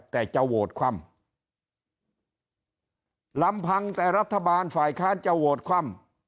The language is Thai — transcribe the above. แต่จะโหวตคว่ำลำพังแต่รัฐบาลฝ่ายค้านจะโหวตคว่ำ